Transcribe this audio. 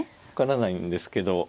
分からないんですけど